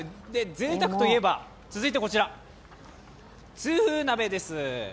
ぜいたくといえば、続いてこちら痛風鍋です。